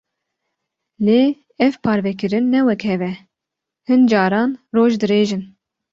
Lê ev parvekirin ne wek hev e; hin caran roj dirêj in.